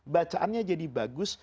bacaannya jadi bagus